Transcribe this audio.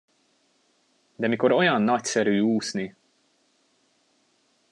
De mikor olyan nagyszerű úszni!